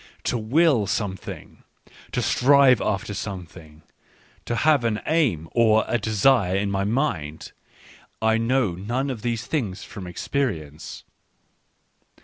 To " will " some thing, to "strive" after something, to have an " aim " or a " desire " in my mind — I know none of these things from experience.